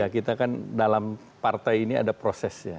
kita kan dalam partai ini ada proses ya